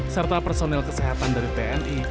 serta personel kesehatan dari tni